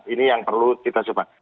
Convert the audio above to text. ini yang perlu kita coba